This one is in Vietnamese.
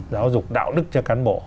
giáo dục đạo đức cho cán bộ